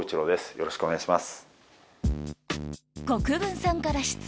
よろしくお願いします。